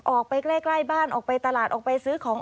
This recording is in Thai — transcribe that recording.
ออกไปใกล้บ้านออกไปตลาดออกไปซื้อของ